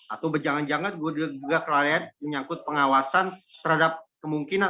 atau jangan jangan juga kelalaian menyangkut pengawasan terhadap kemungkinan